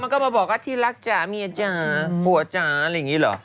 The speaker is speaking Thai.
ก็มาบอกว่าที่รักจ๋าเมียจ๋าผัวจ๋าอะไรอย่างนี้เหรอ